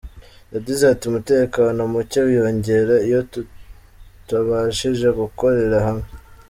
Yagize ati “Umutekano muke wiyongera iyo tutabashije gukorera hamwe.